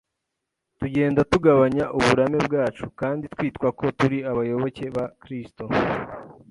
tugenda tugabanya uburame bwacu, kandi twitwa ko turi abayoboke ba Kristo